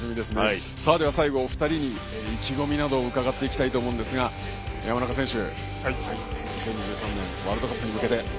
最後、お二人に意気込みを伺いたいですが山中選手、２０２３年ワールドカップに向けて。